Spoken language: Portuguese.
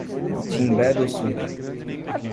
Timbé do Sul